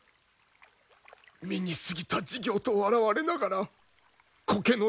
身に過ぎた事業と笑われながらこけの執念